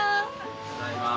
ただいま。